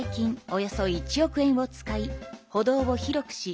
およそ１億円を使い歩道を広くし